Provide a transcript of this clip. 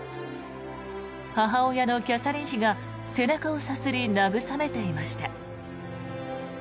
母親のキャサリン妃が背中をさすりなぐさめていました。